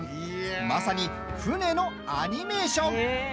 まさに、船のアニメーション。